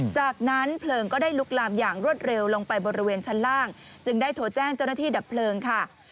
จากนั้นเพลิงก็ได้ลุกลามอย่างรวดเร็วลงไปบริเวณชั้นล่างจึงได้โทรแจ้งเจ้าหน้าที่ดับเพลิงค่ะ